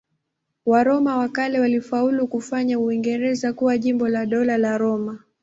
Waroma wa kale walifaulu kufanya Uingereza kuwa jimbo la Dola la Roma.